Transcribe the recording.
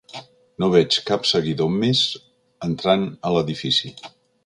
No veig cap seguidor més entrant a l'edifici.